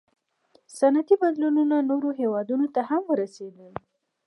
• صنعتي بدلونونه نورو هېوادونو ته هم ورسېدل.